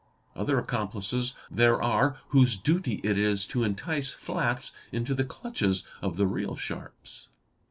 | Other accomplices there are whose duty it is to entice flats into the clutches of the real sharps.